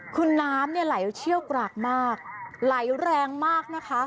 คือน้ำเนี่ยไหลเชี่ยวกรากมากไหลแรงมากนะคะ